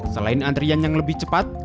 selain antrian yang lebih cepat